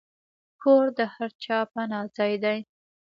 کور د هر چا پناه ځای دی.